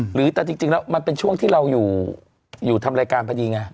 หรือแต่จริงแล้วมันเป็นช่วงที่เราอยู่ทำรายการพอดีไง